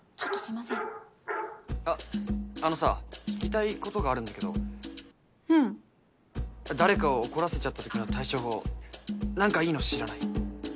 あのさ聞きたいことがあるんだけどうん誰かを怒らせちゃったときの対処法なんかいいの知らない？